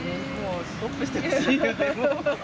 ストップしてほしいよね、もう。